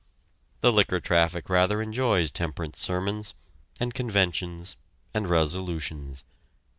The liquor traffic rather enjoys temperance sermons, and conventions and resolutions.